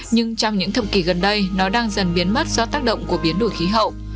nhưng trong những thập kỷ gần đây nó đang dần biến mất do tác động của biến đổi khí hậu